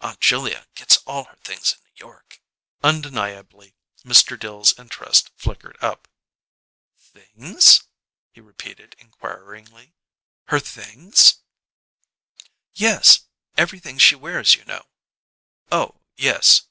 Aunt Julia gets all her things in New York." Undeniably, Mr. Dill's interest flickered up. "Things?" he repeated inquiringly. "Her things?" "Yes. Everything she wears, you know." "Oh, yes."